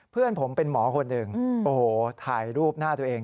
เพื่อนผมเป็นหมอคนหนึ่งโอ้โหถ่ายรูปหน้าตัวเอง